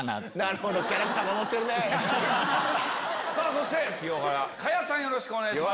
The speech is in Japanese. そして清原果耶さんよろしくお願いします。